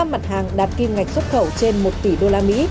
một mươi năm mặt hàng đạt kim ngạch xuất khẩu trên một tỷ usd